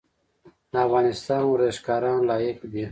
د افغانستان ورزشکاران لایق دي